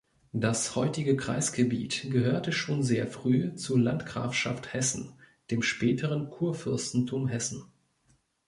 Das heutige Kreisgebiet gehörte schon sehr früh zur Landgrafschaft Hessen, dem späteren Kurfürstentum Hessen.